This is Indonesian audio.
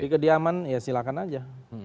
di kediaman ya silakan aja